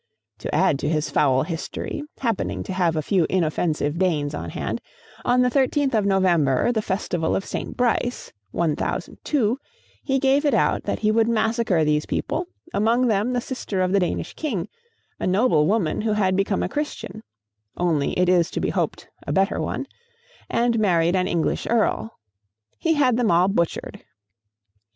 To add to his foul history, happening to have a few inoffensive Danes on hand, on the 13th of November, the festival of St. Brice, 1002, he gave it out that he would massacre these people, among them the sister of the Danish king, a noble woman who had become a Christian (only it is to be hoped a better one), and married an English earl. He had them all butchered.